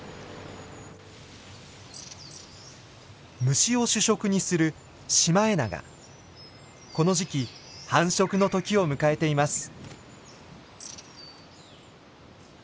虫を主食にするこの時期繁殖の時を迎えています。